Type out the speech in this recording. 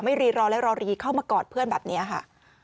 รีรอและรอรีเข้ามากอดเพื่อนแบบนี้ค่ะ